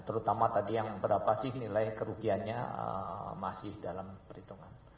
terutama tadi yang berapa sih nilai kerugiannya masih dalam perhitungan